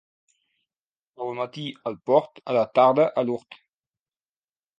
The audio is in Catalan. El matí al port, a la tarda a l'hort.